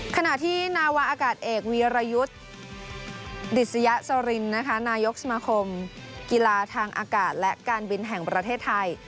ขณะที่นาวาอากาศเอกวีรยุทธ์ดิสยสรินนายกสมาคมกีฬาทางอากาศและการบินแห่งประเทศไทย